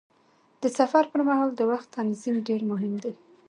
د سفر پر مهال د وخت تنظیم ډېر مهم دی.